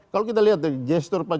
kalau kita lihat deh gesture pak